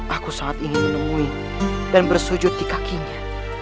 aku sangat ingin menemui dan bersujud di kakinya